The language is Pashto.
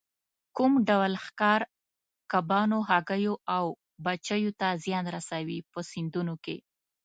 کوم ډول ښکار کبانو، هګیو او بچیو ته زیان رسوي په سیندونو کې.